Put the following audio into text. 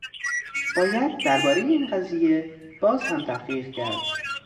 باید در بارهٔ این قضیه باز هم تحقیق کرد.